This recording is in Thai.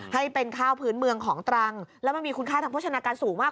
ให้เป็นข้าวพื้นเมืองของตรังแล้วมันมีคุณค่าทางโภชนาการสูงมาก